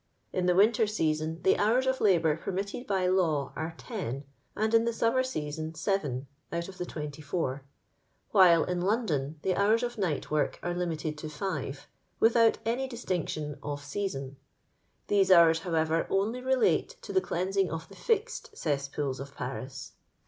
In the winter season the honrs of Isbonr permitted bj lew are ten, and in the sommer season sefen. out of the twentj foor ; while in London the aoars of night woric sre limited to five, without anj distinction of see son. These hours, howi0er, only relate to the cleanmng of the fixed cesspools of Paris.